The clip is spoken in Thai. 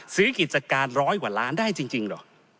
กิจการร้อยกว่าล้านได้จริงเหรอ